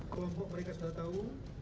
kelompok mereka sudah tahu